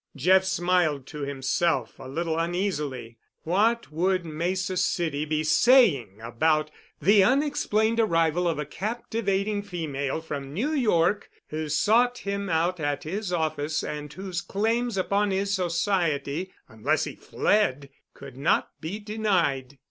Jeff smiled to himself a little uneasily. What would Mesa City be saying about the unexplained arrival of a captivating female from New York who sought him out at his office and whose claims upon his society (unless he fled) could not be denied.